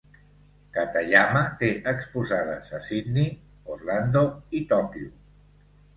Katayama té exposades a Sidney, Orlando i Tòquio.